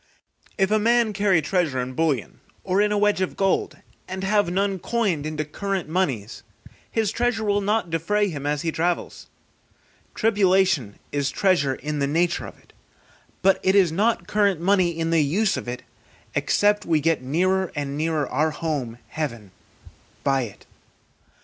If a man carry treasure in bullion, or in a wedge of gold, and have none coined into current money, his treasure will not defray him as he travels. Tribulation is treasure in the nature of it, but it is not current money in the use of it, except we get nearer and nearer our home, heaven, by it.